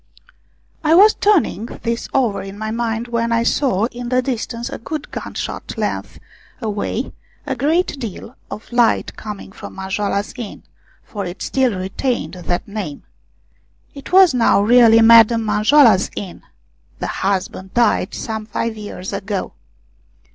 I was turning this over in my mind when I saw in the distance, a good gun shot length away, a great deal of light coming from Manjoala's Inn, for it still retained that name. It was now really Madame Manjoala's inn the husband died some five years ago.